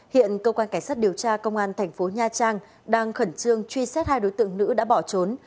hiện cơ quan cảnh sát điều tra công an thành phố nha trang đang khẩn trương truy xét hai đối tượng nữ đã bỏ trốn